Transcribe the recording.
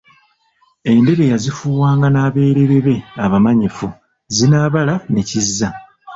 Endere yazifuuwanga n'abelere be abamanyifu Zinaabala ne Kizza.